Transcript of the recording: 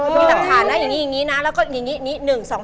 มีหลักฐานนะอย่างนี้อย่างนี้นะแล้วก็อย่างนี้๑๒๒